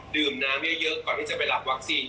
ดื่มน้ำเยอะก่อนที่จะไปรับวัคซีน